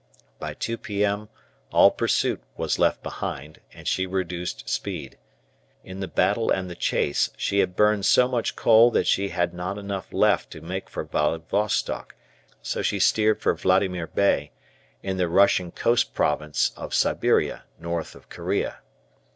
By 2 p.m. all pursuit was left behind, and she reduced speed. In the battle and the chase she had burned so much coal that she had not enough left to make for Vladivostock, so she steered for Vladimir Bay, in the Russian Coast Province of Siberia, north of Korea.